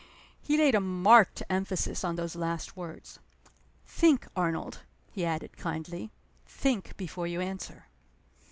He laid a marked emphasis on those last words. "Think, Arnold," he added, kindly. "Think before you answer."